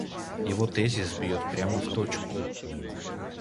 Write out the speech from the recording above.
Его тезис бьет прямо в точку.